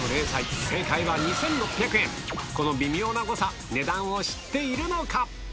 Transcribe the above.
この微妙な誤差値段を知っているのか？